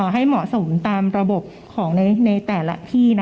ให้เหมาะสมตามระบบของในแต่ละที่